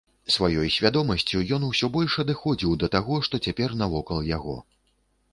Сваёй свядомасцю ён усё больш адыходзіў да таго, што цяпер навокал яго.